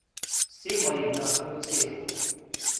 сигмоидна функција